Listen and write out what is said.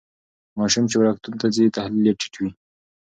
ماشوم چې وړکتون ته ځي تحلیل یې ټیټ وي.